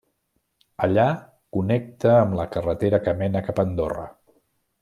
Allà connecta amb la carretera que mena cap a Andorra.